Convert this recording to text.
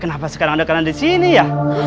kenapa sekarang ada keranda di sini ya